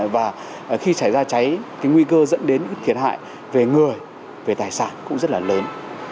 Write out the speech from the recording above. và khi xảy ra cháy nguy cơ dẫn đến những thiệt hại về người về tài sản cũng rất là lớn